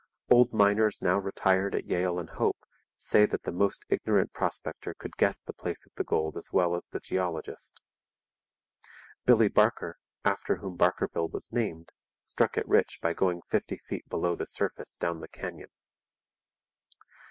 Old miners now retired at Yale and Hope say that the most ignorant prospector could guess the place of the gold as well as the geologist. Billy Barker, after whom Barkerville was named, struck it rich by going fifty feet below the surface down the canyon.